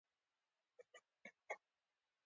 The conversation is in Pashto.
زموږ له اميانۍ څخه ووزي.